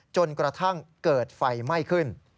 จนกระทั่งเกิดไฟไหม้ขึ้น